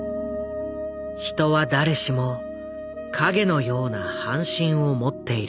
人は誰しも影のような半身を持っている。